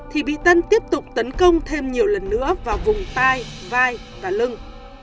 thì bị tân tiếp tục tấn công thêm nhiều lần nữa vào vùng tai vai và lưng